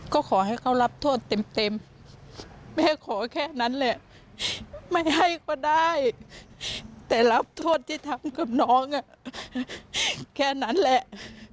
ก็ขอให้เขารับโทษเต็มแม่ขอแค่นั้นแหละไม่ให้ก็ได้แต่รับโทษที่ทำกับน้องแค่นั้นแหละ